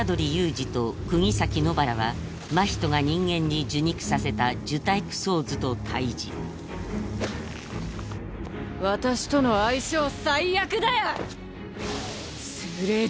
仁と釘崎野薔薇は真人が人間に受肉させた呪胎九相図と対峙私との相性最悪だよ！